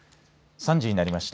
３時になりました。